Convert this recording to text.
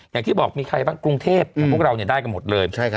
อย่างที่บอกมีใครบ้างกรุงเทพกับพวกเราได้กันหมดเลย